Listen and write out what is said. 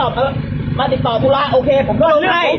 เผ่นอยู่ตรงไหน